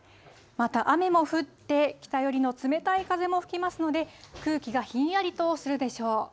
また雨も降って、北寄りの冷たい風も吹きますので、空気がひんやりとするでしょう。